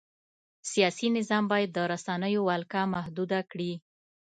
سیاسي نظام باید د رسنیو ولکه محدوده کړي.